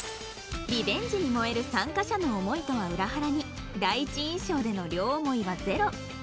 リベンジに燃える参加者の思いとは裏腹に第一印象での両思いはゼロ